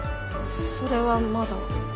それはまだ。